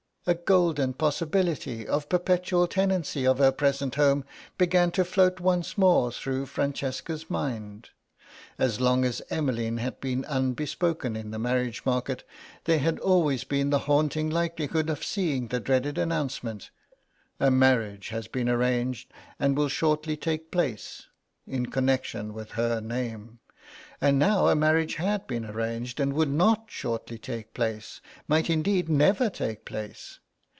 A golden possibility of perpetual tenancy of her present home began to float once more through Francesca's mind. As long as Emmeline had been unbespoken in the marriage market there had always been the haunting likelihood of seeing the dreaded announcement, "a marriage has been arranged and will shortly take place," in connection with her name. And now a marriage had been arranged and would not shortly take place, might indeed never take place.